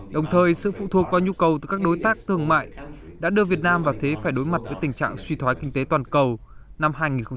đồng thời sự phụ thuộc vào nhu cầu từ các đối tác thương mại đã đưa việt nam vào thế phải đối mặt với tình trạng suy thoái kinh tế toàn cầu năm hai nghìn một mươi tám